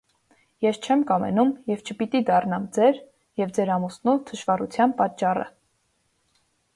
Ես չեմ կամենում և չպիտի դառնամ ձեր և ձեր ամուսնու թշվառության պատճառը: